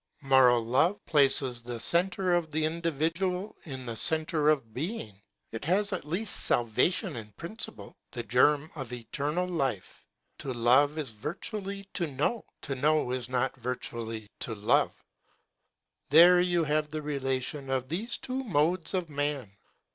Moral love places the centre of the individual in the centre of being. It has at least salvation in principle, the germ of eternal life. To love is virtually to know ; to know is not virtually to love; there you have the relation of these two modes of man.